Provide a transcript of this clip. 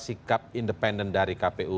sikap independen dari kpu